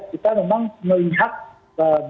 kita memang melihat